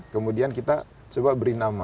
kemudian kita coba beri nama